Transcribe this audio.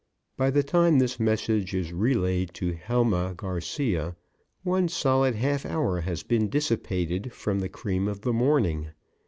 By the time this message is relayed to Helma Garcia one solid half hour has been dissipated from the cream of the morning.